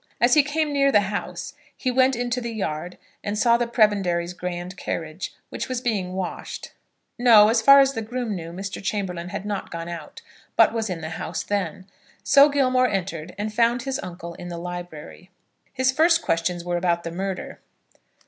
As he came near the house, he went into the yard, and saw the Prebendary's grand carriage, which was being washed. No; as far as the groom knew, Mr. Chamberlaine had not gone out; but was in the house then. So Gilmore entered, and found his uncle in the library. His first questions were about the murder.